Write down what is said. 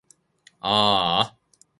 あーあ